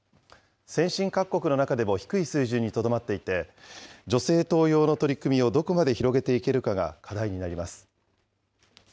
先進各国の中でも低い水準にとどまっていて、女性登用の取り組みをどこまで広げていけるかが課題になります。